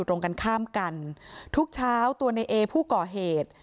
ตรงกันข้ามกันทุกเช้าตัวในเอผู้ก่อเหตุ